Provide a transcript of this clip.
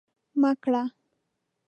مه کره